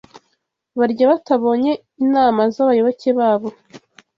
Barya batabonye inama zabayoboke babo